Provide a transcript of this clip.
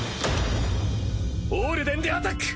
オールデンでアタック！